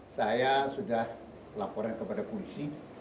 saya sudah laporan kepada polisi